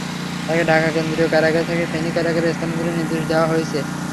তাঁকে ঢাকা কেন্দ্রীয় কারাগার থেকে ফেনী কারাগারে স্থানান্তরের নির্দেশ দেওয়া হয়েছে।